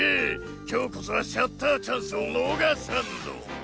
今日こそはシャッターチャンスを逃さんぞ